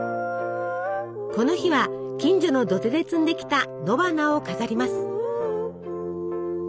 この日は近所の土手で摘んできた野花を飾ります。